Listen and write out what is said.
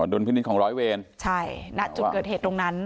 ดุลพินิษฐ์ของร้อยเวรใช่ณจุดเกิดเหตุตรงนั้น